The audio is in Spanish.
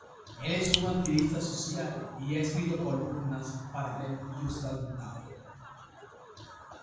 Él es un activista social, y ha escrito columnas para The Hindustan Times.